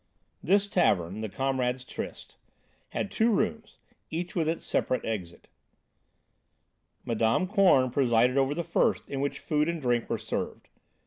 This tavern, "The Comrades' Tryst," had two rooms, each with its separate exit. Mme. Korn presided over the first in which food and drink were served.